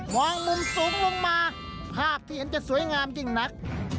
องมุมสูงลงมาภาพที่เห็นจะสวยงามยิ่งนัก